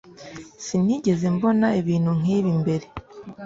Sinigeze mbona ibintu nkibi mbere